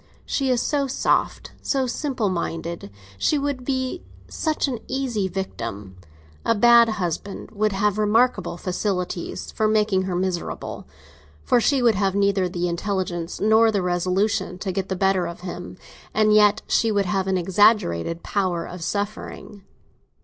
She is so soft, so simple minded, she would be such an easy victim! A bad husband would have remarkable facilities for making her miserable; for she would have neither the intelligence nor the resolution to get the better of him, and yet she would have an exaggerated power of suffering.